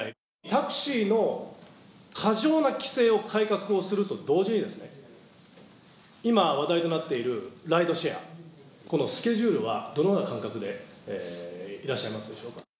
タクシーの過剰な規制を改革をすると同時にですね、今、話題となっているライドシェア、このスケジュールはどのような感覚でいらっしゃいますでしょうか。